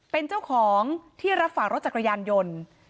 เป็นเจ้าของที่รับฝากรถจักรยานยนต์